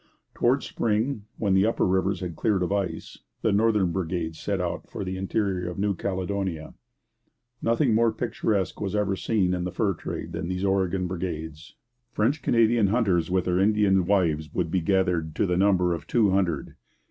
Towards spring, when the upper rivers had cleared of ice, the northern brigades set out for the interior of New Caledonia. Nothing more picturesque was ever seen in the fur trade than these Oregon brigades. French Canadian hunters with their Indian wives would be gathered to the number of two hundred.